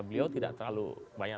beliau tidak terlalu banyak